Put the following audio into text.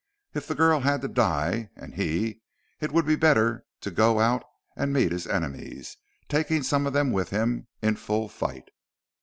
If the girl had to die and he it would be better to go out and meet his enemies, taking some of them with him in full fight.